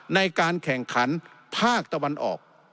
ในการแข่งขันภาคตะวันออก